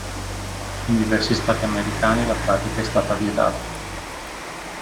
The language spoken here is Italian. In diversi stati americani la pratica è stata vietata.